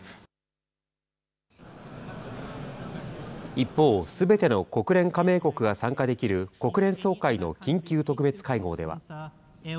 一方、すべての国連加盟国が参加できる国連総会の緊急特別会合では。